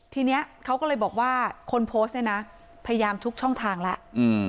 ทีนี้เขาก็เลยบอกว่าคนโพสต์เนี่ยนะพยายามทุกช่องทางแล้ว